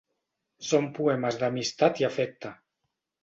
Són poemes d'amistat i afecte.